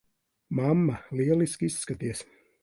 Mamma, lieliski izskaties.